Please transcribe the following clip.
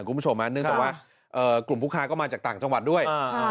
คุณผู้ชมเนื่องจากว่ากลุ่มผู้ค้าก็มาจากต่างจังหวัดด้วย